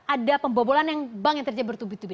ada pembobolan yang bank yang terjadi bertubi tubi